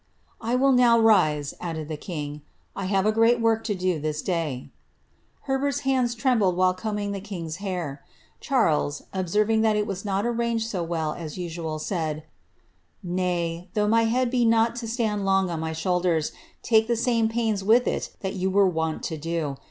"' ow rise," added the king ;^ I have a great work to do this *rt's hands trembled while combing the king's hair. Charles, at it was not arranged so well as usual, said, ^ Nay, though not to stand long on my shoulders, take the same pains you were wont to do.